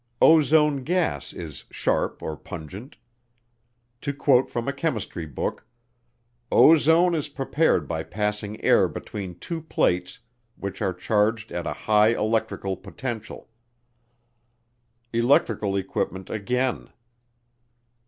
Ozone gas is "sharp" or "pungent." To quote from a chemistry book, "Ozone is prepared by passing air between two plates which are charged at a high electrical potential." Electrical equipment again.